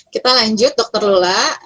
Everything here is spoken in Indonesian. kita lanjut dokter lola